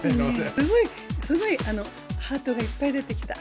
すごい、すごい、ハートがいっぱい出てきた。